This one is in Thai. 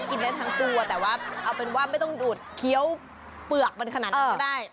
กินได้ทั้งตัวแต่ว่าเอาเป็นว่าไม่ต้องดูดเคี้ยวเปลือกมันขนาดนั้นก็ได้